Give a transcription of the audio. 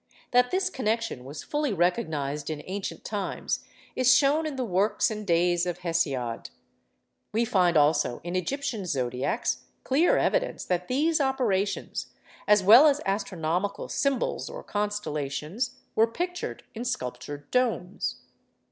That this connection was fully recognised in ancient times is shown in the 'Works and Days' of Hesiod. We find also in Egyptian zodiacs clear evidence that these operations, as well as astronomical symbols or constellations, were pictured in sculptured domes.